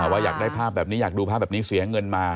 ว่าอยากได้ภาพแบบนี้อยากดูภาพแบบนี้เสียเงินมา